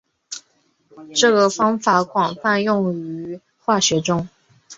这个方法广泛用于甾类化学中。